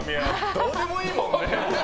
どうでもいいもんね。